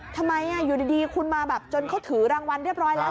ทำไมอยู่ดีคุณมาแบบจนเขาถือรางวัลเรียบร้อยแล้ว